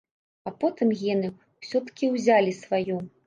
А потым гены ўсё-ткі ўзялі сваё.